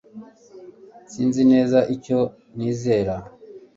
Sinzi neza icyo nizera